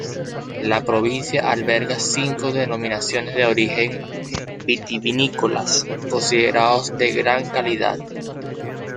La provincia alberga cinco denominaciones de origen vitivinícolas, considerados de gran calidad.